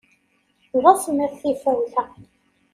D asemmiḍ tifawt-a.